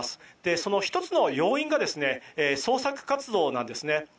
その１つの要因が捜索活動なんです。